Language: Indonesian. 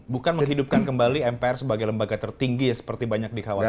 bukan menghidupkan kembali mpr sebagai lembaga tertinggi ya seperti banyak dikhawatirkan